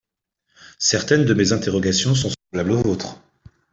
Certaines de mes interrogations sont semblables aux vôtres.